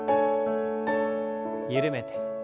緩めて。